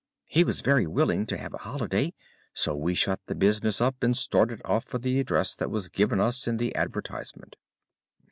He was very willing to have a holiday, so we shut the business up and started off for the address that was given us in the advertisement.